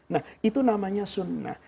nah itu namanya sunnah